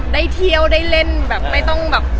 ได้เที่ยวได้เล่นแบบไม่ต้องแบบ